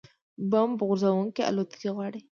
بمب غورځوونکې الوتکې غواړي